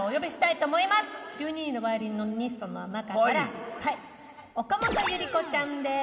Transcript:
１２人のヴァイオリニストの中から岡本侑里子ちゃんです。